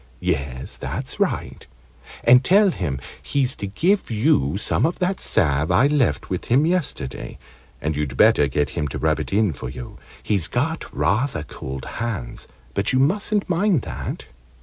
"Yes, that's right. And tell him he's to give you some of that salve I left with him yesterday. And you'd better get him to rub it in for you. He's got rather cold hands, but you mustn't mind that."